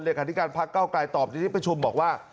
เรียกอธิการภักดิ์เก้าไกรตอบในที่ประชุมบอกว่า